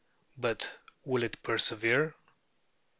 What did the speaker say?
But will it persevere?